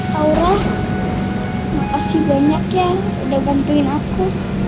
taurah makasih banyak ya udah bantuin aku